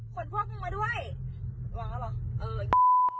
คนพวกมึงมาด้วยหวังแล้วเหรอเออ